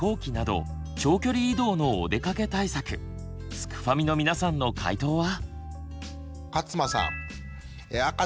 すくファミの皆さんの回答は？